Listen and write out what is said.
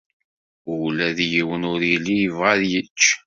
Ula d yiwen ur yelli yebɣa ad yečč.